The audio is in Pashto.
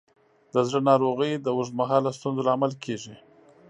د زړه ناروغۍ د اوږد مهاله ستونزو لامل کېږي.